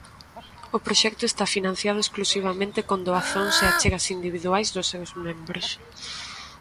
O proxecto está financiado exclusivamente con doazóns e achegas individuais dos seus membros.